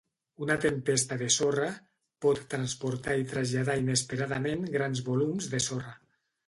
Una tempesta de sorra pot transportar i traslladar inesperadament grans volums de sorra.